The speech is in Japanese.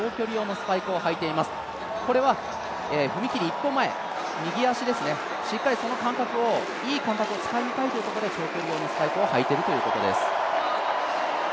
これは踏み切り一歩前、しっかりその感覚をいい感覚をつかみたいということで長距離用のスパイクを履いているということです。